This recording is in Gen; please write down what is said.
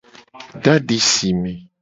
Do adi si me.